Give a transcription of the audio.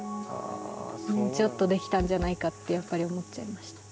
もうちょっとできたんじゃないかってやっぱり思っちゃいました。